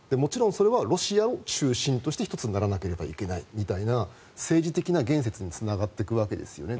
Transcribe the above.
それはロシアを中心として１つにならないといけないという政治的な言説につながっていくわけですよね。